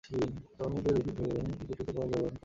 তন্মধ্যে দুইটি ড্র ও দুইটিতে পরাজয়বরণ করে তার দল।